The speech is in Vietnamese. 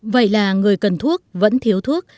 vậy là người cần thuốc vẫn thiếu thuốc